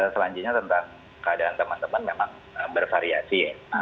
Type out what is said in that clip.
selanjutnya tentang keadaan teman teman memang bervariasi ya